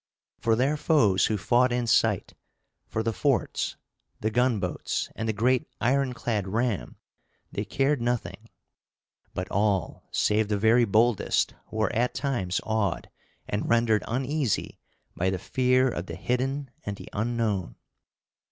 For their foes who fought in sight, for the forts, the gunboats, and, the great ironclad ram, they cared nothing; but all, save the very boldest, were at times awed, and rendered uneasy by the fear of the hidden and the unknown.